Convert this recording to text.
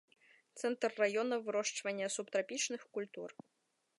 Цэнтр раёна вырошчвання субтрапічных культур.